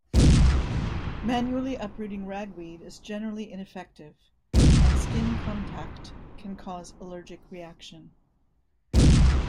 Manually uprooting ragweed is generally ineffective, and skin contact can cause allergic reaction.